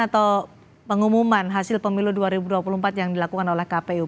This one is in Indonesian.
atau pengumuman hasil pemilu dua ribu dua puluh empat yang dilakukan oleh kpu